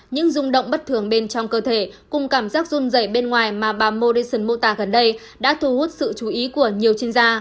những rung động bất thường bên trong cơ thể cùng cảm giác rung dày bên ngoài mà bà morrison mô tả gần đây đã thu hút sự chú ý của nhiều chuyên gia